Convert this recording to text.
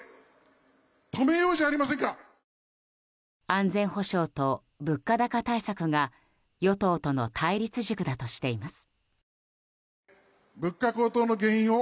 安全保障と物価高対策が与党との対立軸だとしています。